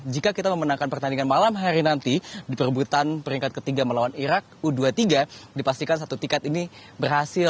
jika kita memenangkan pertandingan malam hari nanti di perebutan peringkat ketiga melawan irak u dua puluh tiga dipastikan satu tiket ini berhasil